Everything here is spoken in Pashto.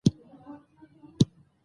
بیدار اوسئ او د خپل وطن ساتنه وکړئ.